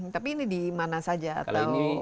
tapi ini di mana saja atau di daerah tertentu